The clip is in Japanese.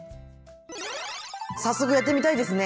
早速やってみたいですね。